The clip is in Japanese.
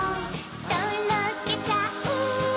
とろけちゃう